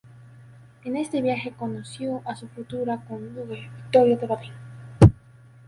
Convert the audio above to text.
En ese viaje conoció a su futura cónyuge Victoria de Baden.